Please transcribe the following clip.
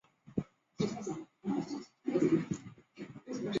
教堂内有维也纳最古老的管风琴。